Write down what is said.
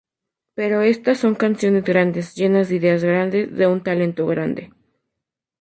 Pero estas son canciones grandes, llenas de ideas grandes, de un talento grande.